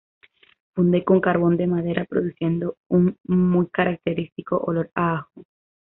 Funde con carbón de madera, produciendo un muy característico olor a ajo.